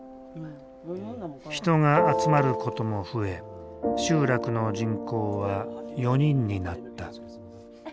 人が集まることも増え集落の人口は４人になった。